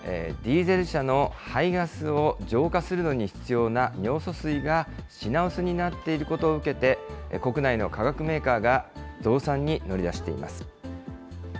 ディーゼル車の排ガスを浄化するのに必要な尿素水が品薄になっていることを受けて、国内の化学メーカーが増産に乗り出しています。